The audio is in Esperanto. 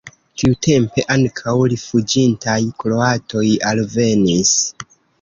Tiutempe ankaŭ rifuĝintaj kroatoj alvenis.